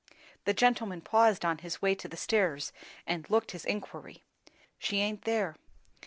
The gentleman paused on his way to the stairs and looked his inquiry. "She aint there.